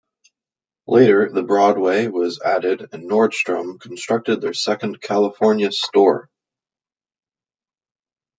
Later, The Broadway was added and Nordstrom constructed their second California store.